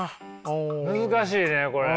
難しいねこれ。